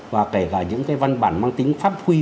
và kể cả những cái văn bản mang tính pháp quy